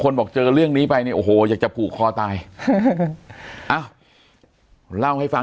บอกเจอเรื่องนี้ไปเนี่ยโอ้โหอยากจะผูกคอตายอ้าวเล่าให้ฟัง